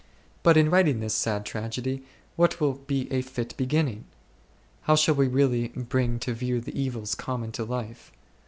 But in writing this sad tragedy what will be a fit beginning ? How shall we really bring to view the evils common to life